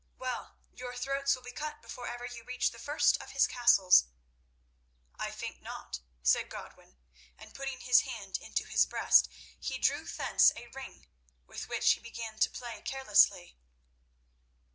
Well, your throats will be cut before ever you reach the first of his castles." "I think not," said Godwin, and, putting his hand into his breast, he drew thence a ring, with which he began to play carelessly.